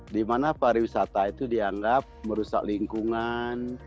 di mana pariwisata itu dianggap merusak lingkungan